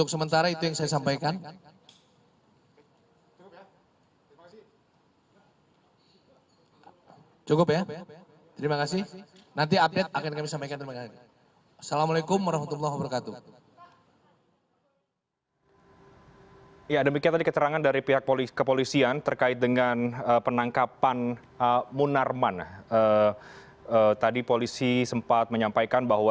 untuk sementara itu yang saya sampaikan